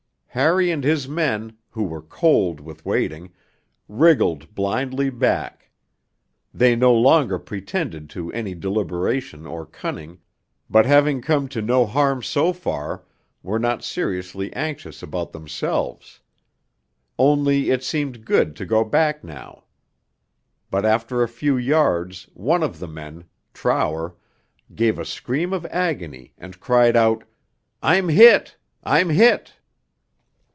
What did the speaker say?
Harry and his men, who were cold with waiting, wriggled blindly back; they no longer pretended to any deliberation or cunning, but having come to no harm so far were not seriously anxious about themselves; only it seemed good to go back now. But after a few yards one of the men, Trower, gave a scream of agony and cried out, 'I'm hit, I'm hit.'